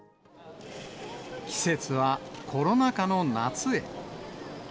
季節はコロナ禍の夏へ。